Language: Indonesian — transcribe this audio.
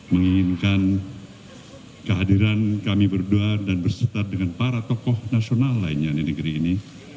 menginginkan kehadiran kami berdua dan berserta dengan para tokoh nasional lainnya di negeri ini